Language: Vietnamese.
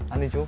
anh đi chú